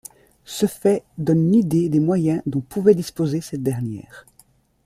Ce fait donne une idée des moyens dont pouvait disposer cette dernière.